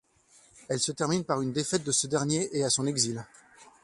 Elle se termine par une défaite de ce dernier et à son exil.